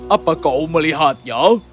apa kau melihatnya